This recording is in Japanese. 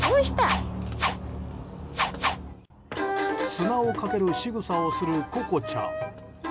砂をかけるしぐさをするココちゃん。